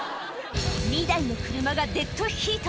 ２台の車がデッドヒート。